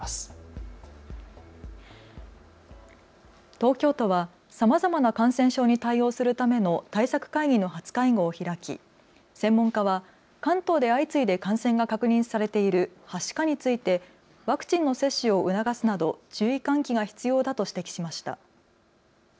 東京都はさまざまな感染症に対応するための対策会議の初会合を開き、専門家は関東で相次いで感染が確認されているはしかについてワクチンの接種を促すなど注意喚起が必要だと指摘しました。